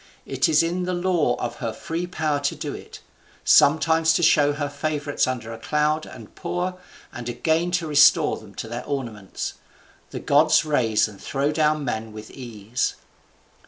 It is in the law of her free power to do it: sometimes to show her favourites under a cloud, and poor, and again to restore to them their ornaments. The gods raise and throw down men with ease."